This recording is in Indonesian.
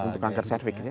untuk kanker cervix ya